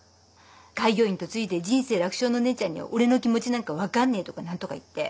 開業医に嫁いで人生楽勝の姉ちゃんには俺の気持ちなんか分かんねえとか何とか言って。